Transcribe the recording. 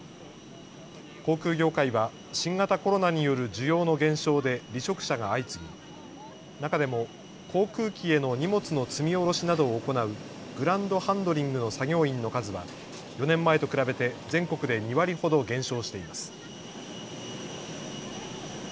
航空業界は新型コロナによる需要の減少で離職者が相次ぎ中でも航空機への荷物の積み降ろしなどを行うグランドハンドリングの作業員の数は４年前と比べて全国で２割ほど減少しています。